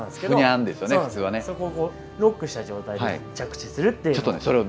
そこをロックした状態で着地する。